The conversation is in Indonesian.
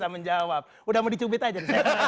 menjawab udah mau dicubit aja